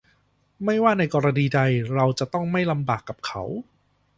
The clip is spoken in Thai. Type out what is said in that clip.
ไม่ว่าในกรณีใดเราจะต้องไม่ลำบากกับเขา